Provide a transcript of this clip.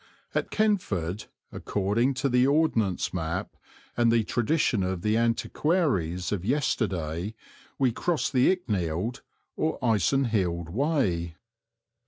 At Kentford, according to the Ordnance map and the tradition of the antiquaries of yesterday, we crossed the Icknield or Icenhilde Way.